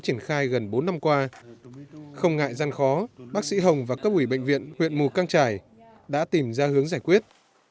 triển khai gần bốn năm qua không ngại gian khó bác sĩ hồng và cấp ủy bệnh viện huyện mù căng trải đã tìm ra hướng giải quyết